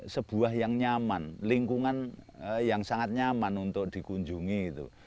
sebuah yang nyaman lingkungan yang sangat nyaman untuk dikunjungi itu